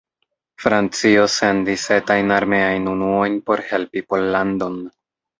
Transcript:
Francio sendis etajn armeajn unuojn por helpi Pollandon.